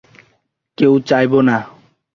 কেন চাইবো না?